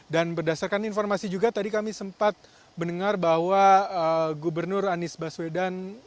dan berdasarkan informasi juga tadi kami sempat mendengar bahwa gubernur anies baswedan